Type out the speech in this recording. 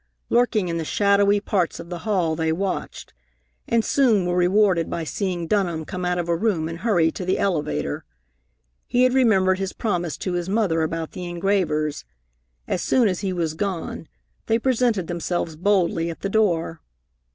Lurking in the shadowy parts of the hall, they watched, and soon were rewarded by seeing Dunham come out of a room and hurry to the elevator. He had remembered his promise to his mother about the engravers. As soon as he was gone, they presented themselves boldly at the door.